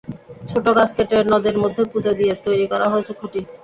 ছোট গাছ কেটে নদের মধ্যে পুঁতে দিয়ে তৈরি করা হয়েছে খুঁটি।